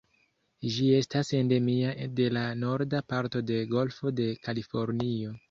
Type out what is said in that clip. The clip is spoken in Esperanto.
Ĝi estas endemia de la norda parto de la Golfo de Kalifornio.